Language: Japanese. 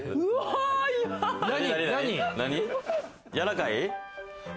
やわらかい？